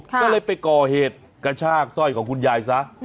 ก็เลยไปก่อเหตุกระชากสร้อยของคุณยายซะ